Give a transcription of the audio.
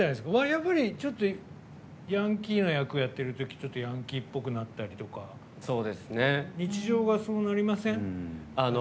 やっぱり、ヤンキーな役をやってるときヤンキーっぽくなったりとか日常がそうなりません？